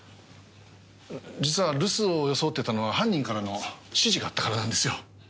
実は留守を装ってたのは犯人からの指示があったからなんですよ。